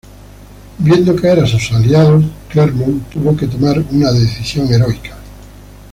Viendo caer a sus aliados, Clermont tuvo que tomar una decisión heroica.